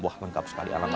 wah lengkap sekali alamatnya